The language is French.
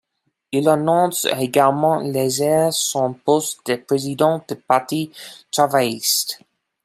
Il annonce également laisser son poste de président du Parti travailliste.